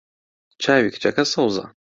چاوی کچەکە سەوزە.